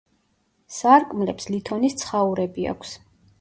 სარკმლებს ლითონის ცხაურები აქვს.